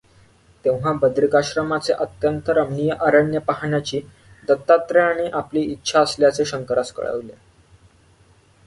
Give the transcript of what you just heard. तेव्हा बदरिकाश्रमाचे अत्यंत रमणीय अरण्य पाहाण्याची दत्तात्रेयाने आपली इच्छा असल्याचे शंकरास कळविले.